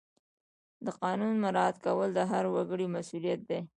د قانون مراعات کول د هر وګړي مسؤلیت دی.